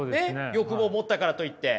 欲望を持ったからといって。